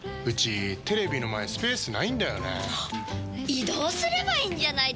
移動すればいいんじゃないですか？